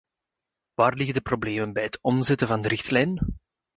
Waar liggen de problemen bij het omzetten van de richtlijn?